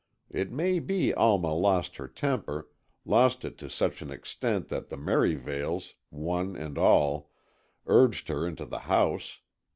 It may be Alma lost her temper, lost it to such an extent that the Merivales, one and all, urged her into the house.